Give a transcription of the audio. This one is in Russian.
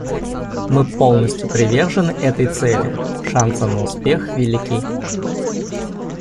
Мы полностью привержены этой цели, шансы на успех велики.